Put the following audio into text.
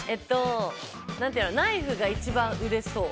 ナイフが一番売れそう。